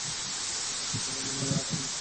সে বেঁচে থাকাকালীনও করতাম।